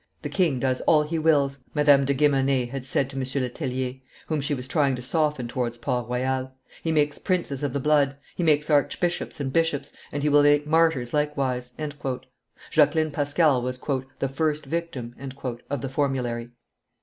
"The king does all he wills," Madame de Guemenee had said to M. Le Tellier, whom she was trying to soften towards Port Royal; "he makes princes of the blood, he makes archbishops and bishops, and he will make martyrs likewise." Jacqueline Pascal was "the first victim" of the formulary.